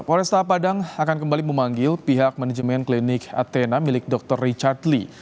polresta padang akan kembali memanggil pihak manajemen klinik athena milik dr richard lee